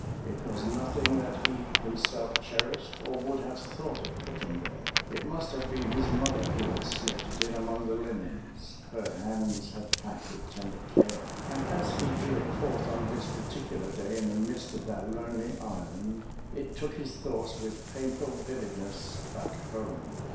It was nothing that he himself cherished or would have thought of putting there. It must have been his mother who had slipped it in among the linens her hands had packed with tender care, and as he drew it forth on this particular day in the midst of that lonely island, it took his thoughts with painful vividness back home.